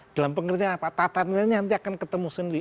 dalam pengertian apa tata nilainya nanti akan ketemu sendiri